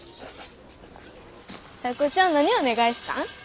タイ子ちゃん何お願いしたん？